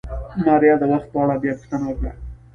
ماريا د وخت په اړه بيا پوښتنه وکړه.